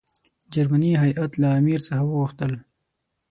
جرمني هیات له امیر څخه وغوښتل.